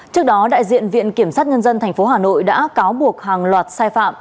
trước đó đại diện viện kiểm sát nhân dân tp hà nội đã cáo buộc hàng loạt sai phạm